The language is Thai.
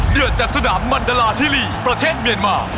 เดือดจากสนามมันดาราธิรีประเทศเมียนมา